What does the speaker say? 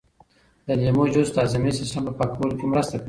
د لیمو جوس د هاضمې سیسټم په پاکولو کې مرسته کوي.